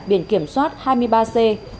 biển kiểm soát hai mươi ba c bốn trăm một mươi bảy